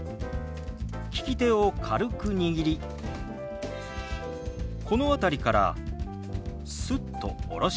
利き手を軽く握りこの辺りからスッと下ろします。